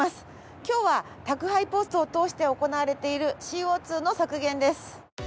今日は宅配ポストを通して行われているＣＯ２の削減です。